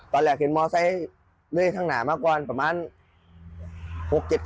ตอนแหลกเห็นมอเซตให้เล่ทั้งหนามากว่าประมาณ๖๗ชั้นเนี่ยแหละครับ